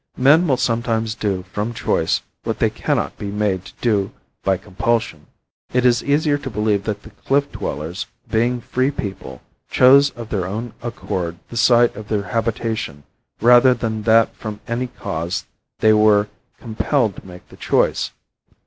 Men will sometimes do from choice what they cannot be made to do by compulsion. It is easier to believe that the cliff dwellers, being free people, chose of their own accord the site of their habitation rather than that from any cause they were compelled to make the choice.